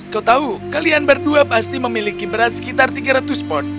kau tahu kalian berdua pasti memiliki berat sekitar tiga ratus pot